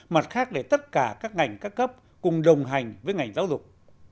mặt khác để tất cả các ngành các cấp cùng đồng hành với ngành giáo dục